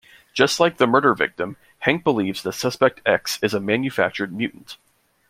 Just like the murder victim, Hank believes that Suspect X is a manufactured mutant.